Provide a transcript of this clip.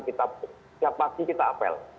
setiap pagi kita apel